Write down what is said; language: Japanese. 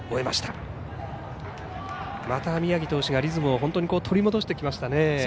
また宮城投手がリズムを本当に取り戻してきましたね。